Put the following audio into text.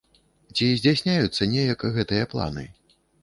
Ці здзяйсняюцца неяк гэтыя планы?